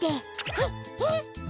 えっ？えっ？